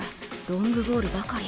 ロングボールばかり。